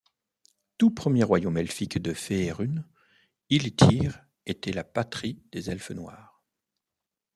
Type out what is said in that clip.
Tout premier royaume elfique de Féérune, Ilythiir était la patrie des elfes noirs.